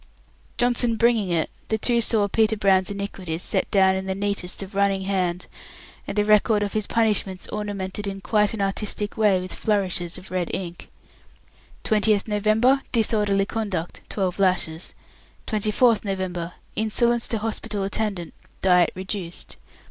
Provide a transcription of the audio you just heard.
Johnson bringing it, the two saw Peter Brown's iniquities set down in the neatest of running hand, and the record of his punishments ornamented in quite an artistic way with flourishes of red ink "20th November, disorderly conduct, 12 lashes. 24th November, insolence to hospital attendant, diet reduced.